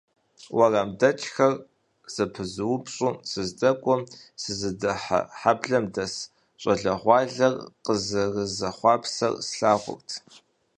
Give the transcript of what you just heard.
УэрамдэкӀхэр зэпызупщӀурэ сыздэкӀуэм, сызыдыхьэ хьэблэхэм дэс щӀалэгъуалэр къызэрызэхъуапсэр слъагъурт.